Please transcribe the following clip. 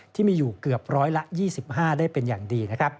ที่มีอยู่เกือบร้อยละ๒๕ได้เป็นอย่างดี